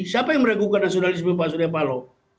siapa yang meregukan nasionalisme pak sudir palo